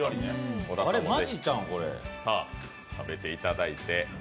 さぁ食べていただいて。